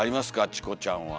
チコちゃんは。